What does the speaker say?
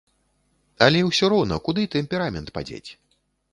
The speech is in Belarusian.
Але ўсё роўна куды тэмперамент падзець?